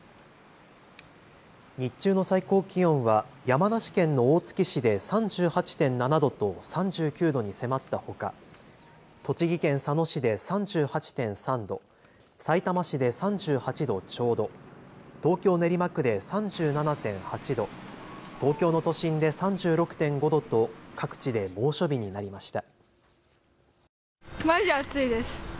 日中の最高気温は山梨県の大月市で３８．７度と３９度に迫ったほか栃木県佐野市で３８．３度、さいたま市で３８度ちょうど、東京練馬区で３７．８度、東京の都心で３６．５度と各地で猛暑日になりました。